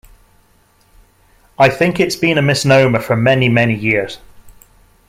I think it's been a misnomer for many many years.